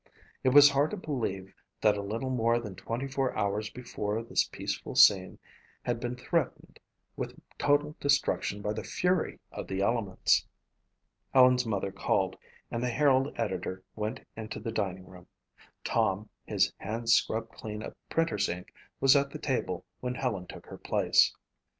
It was hard to believe that a little more than 24 hours before this peaceful scene had been threatened with total destruction by the fury of the elements. Helen's mother called and the Herald editor went into the dining room. Tom, his hands scrubbed clean of printer's ink, was at the table when Helen took her place.